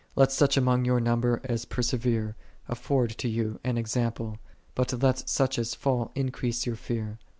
Let such among your number as persevere afford to you an example: but let such as fall increase your fear.